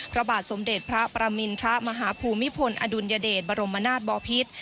พระบาทสมเด็จพระประมินทรมาฮภูมิพลอดุลยเดชบรมนาศบอพิษ